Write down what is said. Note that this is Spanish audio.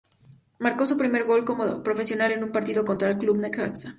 Marcó su primer gol como profesional en un partido contra el Club Necaxa.